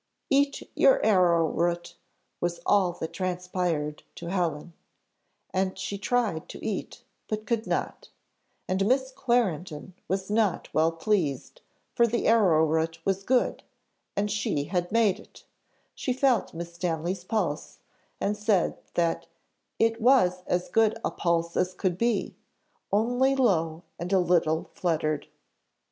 "Eat your arrow root," was all that transpired to Helen. And she tried to eat, but could not; and Miss Clarendon was not well pleased, for the arrow root was good, and she had made it; she felt Miss Stanley's pulse, and said that "It was as good a pulse as could be, only low and a little fluttered."